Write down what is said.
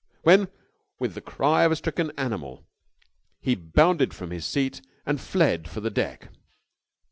Then with the cry of a stricken animal, he bounded from his seat and fled for the deck.